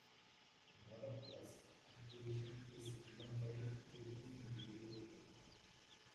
Nevertheless, Activision is given credit within the video game.